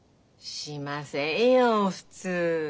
しませんよ普通。